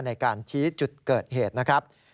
ในการชี้จุดเกิดเหตุนะครับ